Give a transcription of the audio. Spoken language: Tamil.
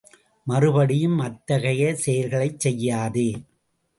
மறுபடியும் அத்தகைய செயல்களைச் செய்யாதே.